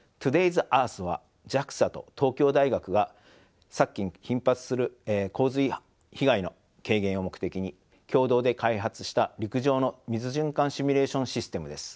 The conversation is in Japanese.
’ｓＥａｒｔｈはＪＡＸＡと東京大学が昨今頻発する洪水被害の軽減を目的に共同で開発した陸上の水循環シミュレーションシステムです。